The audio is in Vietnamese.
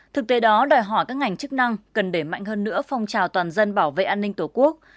thực tế đó đòi hỏi các ngành chức năng cần để mạnh hơn nữa phong trào toàn dân bảo vệ an ninh tổ quốc